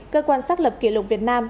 cơ quan xác lập kỷ lục việt nam